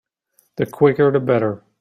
The quicker the better.